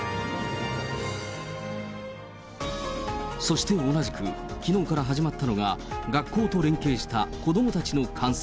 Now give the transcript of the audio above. そして同じく、きのうから始まったのが、学校と連携した子どもたちの観戦。